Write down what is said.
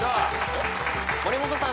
森本さん